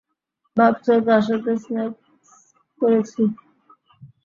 ভাবছো তার সাথে সেক্স করেছি?